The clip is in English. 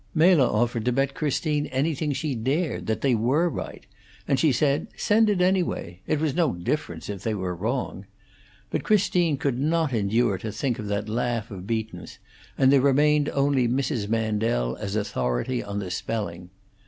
Mela offered to bet Christine anything she dared that they were right, and she said, Send it anyway; it was no difference if they were wrong. But Christine could not endure to think of that laugh of Beaton's, and there remained only Mrs. Mandel as authority on the spelling.